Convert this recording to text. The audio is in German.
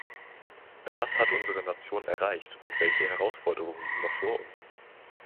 Was hat unsere Nation erreicht und welche Herausforderungen liegen noch vor uns?